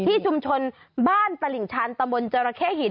ที่ชุมชนบ้านตลิ่งชันตะมนต์จรเข้หิน